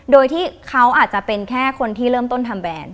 โดยที่เขาอาจจะเป็นแค่คนที่เริ่มต้นทำแบรนด์